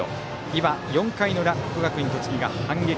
今、４回の裏、国学院栃木が反撃。